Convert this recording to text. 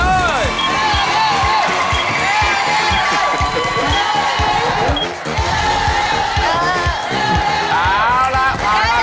เอาล่ะผ่านมาแล้ว